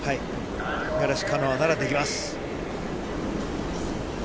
五十嵐カノアならできます。